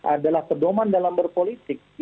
adalah pedoman dalam berpolitik